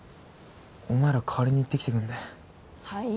お前ら代わりに行ってきてくんねえ？